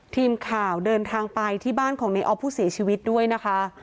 ทีมข่าวเดินทางไปที่บ้านของในออฟผู้เสียชีวิตด้วยนะคะ